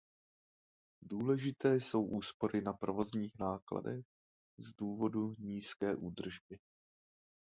Důležité jsou úspory na provozních nákladech z důvodu nízké údržby.